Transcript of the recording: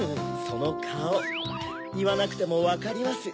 そのカオいわなくてもわかります。